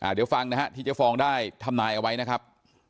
เดี๋ยวฟังนะฮะที่เจ๊ฟองได้ทำนายเอาไว้นะครับ